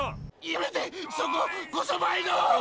やめてそここそばいの！